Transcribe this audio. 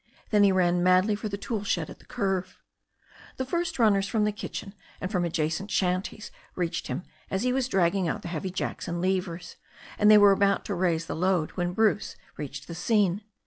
Then he ran madly for the tool shed at the cutve. THE STORY OF A NEW ZEALAND RIVER 401 The first runners from the kitchen and from adjacent shanties reached him as he was dragging out the heavy jacks and levers, and they were about to raise the load when Bruce reached the scene.